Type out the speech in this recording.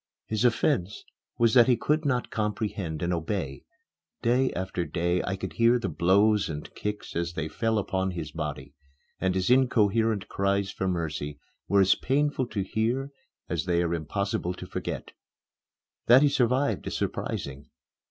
His offence was that he could not comprehend and obey. Day after day I could hear the blows and kicks as they fell upon his body, and his incoherent cries for mercy were as painful to hear as they are impossible to forget. That he survived is surprising.